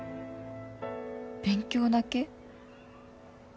勉強だけ？